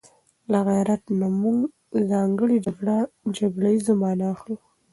له غيرت نه موږ ځانګړې جګړه ييزه مانا اخلو